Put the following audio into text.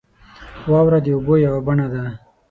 • واوره د اوبو یوه بڼه ده.